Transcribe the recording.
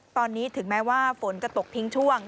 ตอนนี้ถึงแม้ว่าฝนจะตกทิ้งช่วง